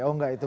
oh enggak itu